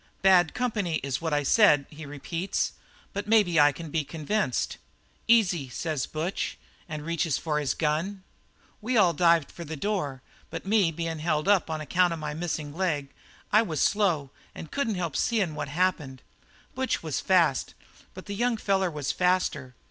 "'Bad company is what I said,' he repeats, 'but maybe I can be convinced.' "'Easy,' says Butch, and reaches for his gun. "We all dived for the door, but me being held up on account of my missing leg, I was slow an' couldn't help seein' what happened. Butch was fast, but the young feller was faster.